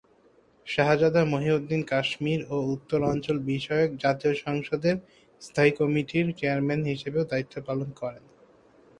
শাহজাদা মহিউদ্দিন কাশ্মীর ও উত্তর অঞ্চল বিষয়ক জাতীয় সংসদের স্থায়ী কমিটির চেয়ারম্যান হিসেবেও দায়িত্ব পালন করেন।